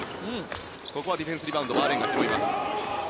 ここはディフェンスリバウンドバーレーンが取ります。